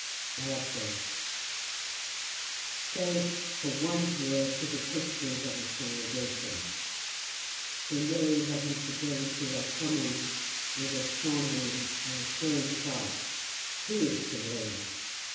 I have done "Save for one word to the Christians of this congregation: "The waves of infidelity are coming in with a strong wind and a flowing tide. Who is to blame?